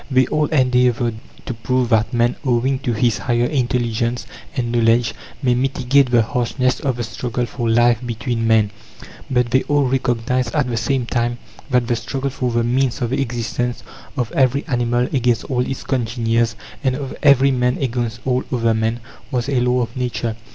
They all endeavoured to prove that Man, owing to his higher intelligence and knowledge, may mitigate the harshness of the struggle for life between men; but they all recognized at the same time that the struggle for the means of existence, of every animal against all its congeners, and of every man against all other men, was "a law of Nature."